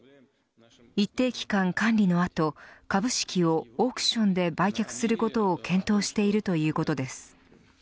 一定期間管理の後株式をオークションで売却することを検討しているということです。